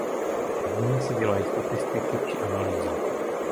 Nad nimi se dělají statistiky či analýza.